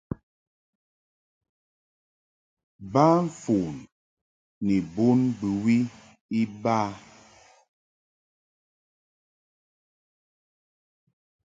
Ba fon ni bon bɨwi iba.